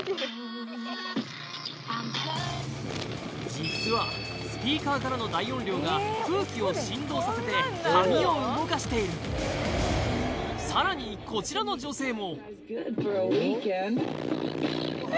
実はスピーカーからの大音量が空気を振動させて髪を動かしているさらにこちらの女性も